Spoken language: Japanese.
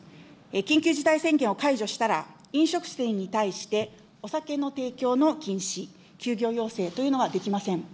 緊急事態宣言を解除したら、飲食店に対して、お酒の提供の禁止、休業要請というのはできません。